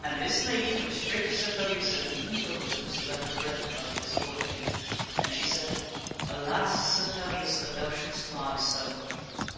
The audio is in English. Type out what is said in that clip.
And this lady went straight to Sir Pellias and leaned over him so that her breath touched his forehead. And she said, " Alas ! Sir Pellias, that thou shouldst lie so."